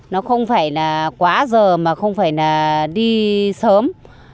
nó không phải là quá giờ mà không phải là đi sớm